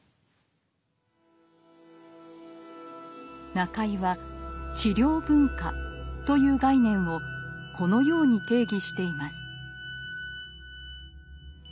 中井は「治療文化」という概念をこのように定義しています。